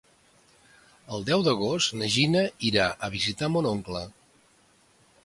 El deu d'agost na Gina irà a visitar mon oncle.